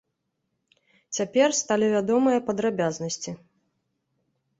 Цяпер сталі вядомыя падрабязнасці.